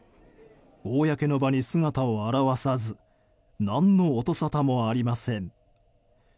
公の場に姿を現さず何の音沙汰もありません。